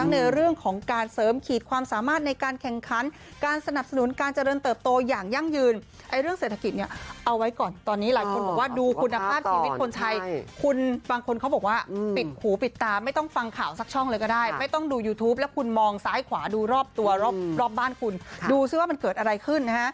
ดูว่ามันเกิดอะไรขึ้น